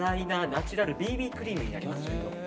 ナチュラルＢＢクリームになります。